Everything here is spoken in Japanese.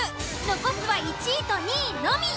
残すは１位と２位のみ。